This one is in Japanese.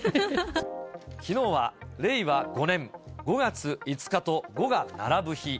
きのうは令和５年５月５日と５が並ぶ日。